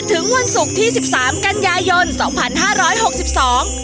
ถึงวันศุกร์ที่สิบสามกันยายนสองพันห้าร้อยหกสิบสอง